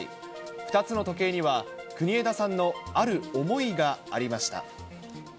２つの時計には、国枝さんのある思いがありました。